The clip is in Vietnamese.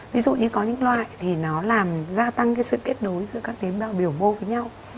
ví dụ như có những loại thì nó làm gia tăng cái sự kết nối giữa các tế bào biểu mô với nhau